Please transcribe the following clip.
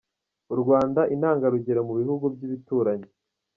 U Rwanda intangarugero mu bihugu by’ibituranyi.